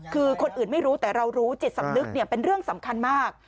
คือคนอื่นไม่รู้แต่เรารู้จิตสำนึกเป็นเรื่องสำคัญมาก